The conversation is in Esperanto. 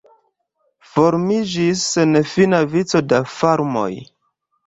Formiĝis senfina vico da farmoj.